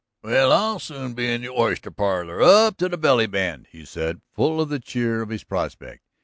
"Well, I'll soon be in the oyster parlor up to the bellyband," he said, full of the cheer of his prospect.